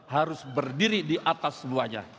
harus berdiri di atas wajah